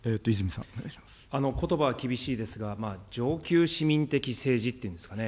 ことばは厳しいですが、上級市民的政治っていうんですかね。